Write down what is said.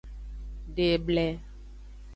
Deble.